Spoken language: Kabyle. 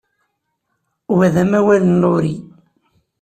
Wa d amawal n Laurie.